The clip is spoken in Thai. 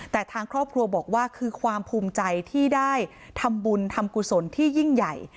แต่ทางครอบครัวบอกว่าคือความภูมิใจที่ได้ทำบุญทำกุศลที่ยิ่งใหญ่